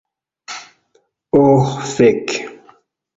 Oh fek'